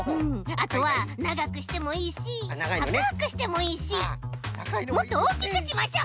あとはながくしてもいいしたかくしてもいいしもっとおおきくしましょう！